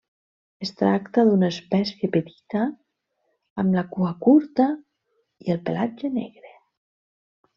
Es tracta d'una espècie petita, amb la cua curta i el pelatge negre.